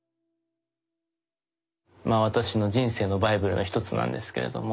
まぁ私の人生のバイブルの一つなんですけれども。